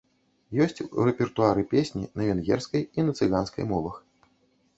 Ёсць у рэпертуары песні на венгерскай і на цыганскай мовах.